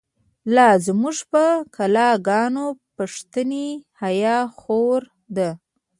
لا زمونږ په کلا گانو، پښتنی حیا خوره ده